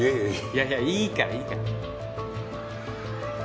いやいやいいからいいから。